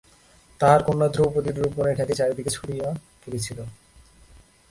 তাঁহার কন্যা দ্রৌপদীর রূপগুণের খ্যাতি চারিদিকে ছড়াইয়া পড়িয়াছিল।